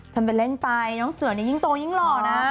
ทำเป็นเล่นไปน้องเสือนี่ยิ่งโตยิ่งหล่อนะ